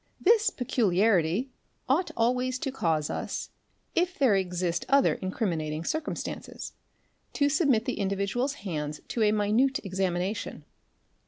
This peculiarity ought always to cause us, if there exist other incriminating | circumstances, to submit the individual's hands to a minute examination.